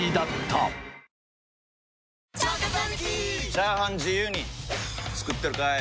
チャーハン自由に作ってるかい！？